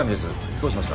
どうしました？